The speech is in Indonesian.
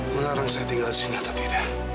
melarang saya tinggal di sini atau tidak